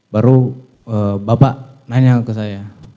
baru bapak nanya ke saya